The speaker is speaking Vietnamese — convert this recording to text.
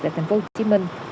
tại thành phố hồ chí minh